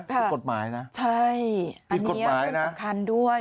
เป็นกฎหมายนะเป็นกฎหมายนะใช่อันนี้เป็นประคันด้วย